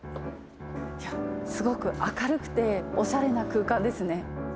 すごく明るくて、おしゃれな空間ですね。